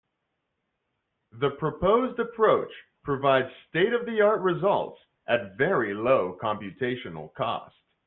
The proposed approach provides state-of-the-art results at very low computational cost.